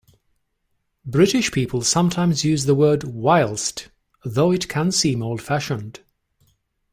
British people sometimes use the word whilst, though it can seem old fashioned